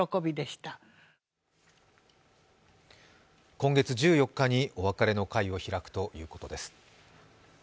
今月１４日にお別れの会を開くということです。